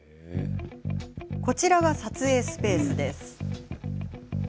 こちらが、撮影スペース。